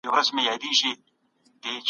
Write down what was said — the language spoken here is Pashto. پروردګار بنده ګانو ته ډېر فرصتونه ورکوي.